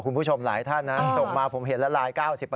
คุณผู้ชมหลายท่านนะส่งมาผมเห็นแล้วไลน์๙๐